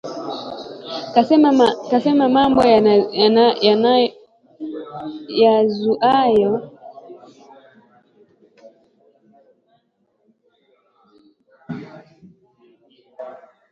kusema mambo yazuayo hisia ili kupata nadharia zilizomo katika kikao hicho